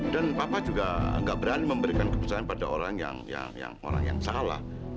dan papa juga nggak berani memberikan kebesaran pada orang yang salah